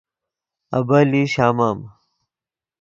ابیلئی شامم